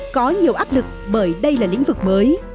có nhiều áp lực bởi đây là lĩnh vực mới